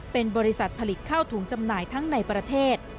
เป็นบริษัทผลิตข้าวถุงจำหน่ายทั้งในประเทศ